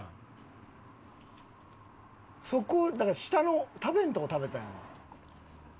そこだから下の食べんとこ食べたんやろ。